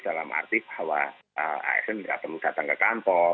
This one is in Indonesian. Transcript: dalam arti bahwa asn tidak perlu datang ke kantor